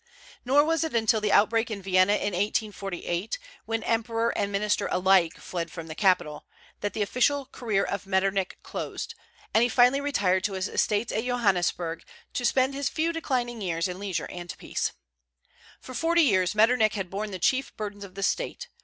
Nor was it until the outbreak in Vienna in 1848, when emperor and minister alike fled from the capital, that the official career of Metternich closed, and he finally retired to his estates at Johannisberg to spend his few declining years in leisure and peace. For forty years Metternich had borne the chief burdens of the State.